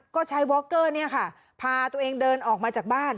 ก็ใช้วอคเกอร์เนี่ยค่ะพาตัวเองเดินออกมาจากบ้าน